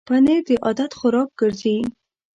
پنېر د عادت خوراک ګرځي.